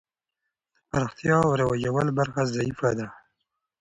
د پراختیا او رواجول برخه ضعیفه ده.